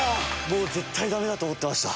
もう絶対ダメだと思ってました。